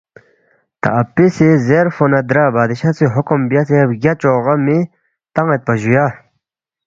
تا اپی سی زیرفو نہ درا بادشاہ سی حکم بیاسے بگیا چوغا می تان٘یدپا جُویا